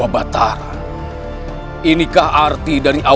aku harus membantu dia